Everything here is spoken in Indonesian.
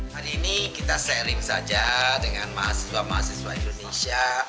hari ini kita sharing saja dengan mahasiswa mahasiswa indonesia